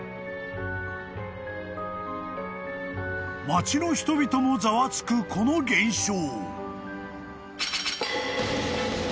［町の人々もざわつくこの現象］